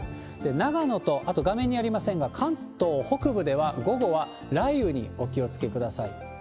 長野とあと画面にありませんが、関東北部では午後は雷雨にお気をつけください。